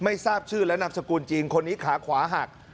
ไม่ทราบชื่อและนำสกุลจีนคนนี้ขาขวาหัก